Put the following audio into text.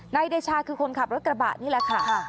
เดชาคือคนขับรถกระบะนี่แหละค่ะ